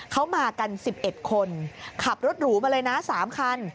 เขามากัน๑๑คนขับรถหรูมาเลยนะ๓คัน